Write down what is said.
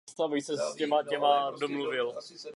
Je hanebné, že většina těchto zločinů nebyla dodnes vyřešena.